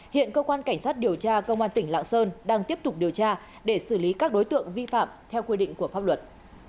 hiện cơ quan cảnh sát điều tra công an tỉnh lạng sơn đang tiếp tục điều tra để xử lý các đối tượng vi phạm theo quy định của pháp luật